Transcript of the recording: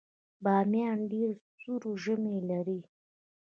بامیان ډیر سوړ ژمی لري